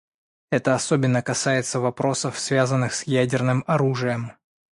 Это особенно касается вопросов, связанных с ядерным оружием.